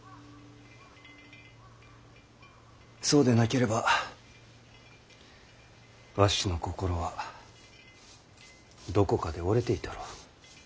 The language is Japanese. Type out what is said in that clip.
そうでなければわしの心はどこかで折れていたろう。